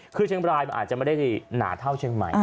คือเชียงมายอาจจะไม่ได้หนาเท่าเชียงมาย